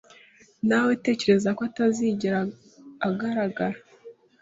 Nawetekerezaga ko atazigera agaragara.